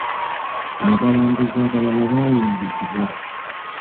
Abalambuza abalala baayingizibwa.